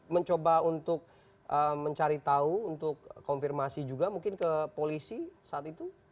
mencoba untuk mencari tahu untuk konfirmasi juga mungkin ke polisi saat itu